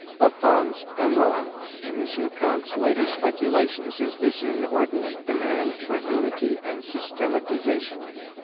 The fons errorum in M. Comte's later speculations is this inordinate demand for "unity" and "systematization."